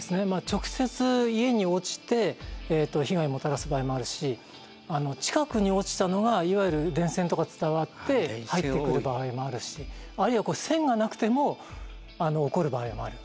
直接家に落ちて被害をもたらす場合もあるし近くに落ちたのがいわゆる電線とか伝わって入ってくる場合もあるしあるいは線がなくても起こる場合もある。